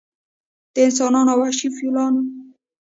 د انسانانو او وحشي فیلانو